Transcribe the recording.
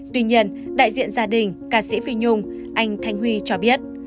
tuy nhiên đại diện gia đình ca sĩ phi nhung anh thanh huy cho biết